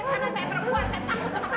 eh jangan beko beko sama saya